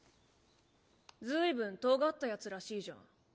随分とがったヤツらしいじゃん。